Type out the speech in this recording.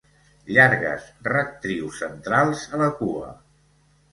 Llargues rectrius centrals a la cua.